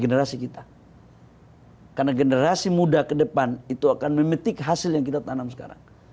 generasi kita karena generasi muda ke depan itu akan memetik hasil yang kita tanam sekarang